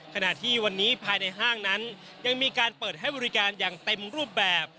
ขณะที่วันนี้ภายในห้างนั้นยังมีการเปิดให้บริการอย่างเต็มรูปแบบ